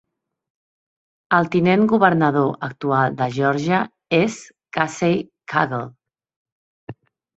El tinent governador actual de Geòrgia és Casey Cagle.